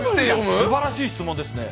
すばらしい質問ですね。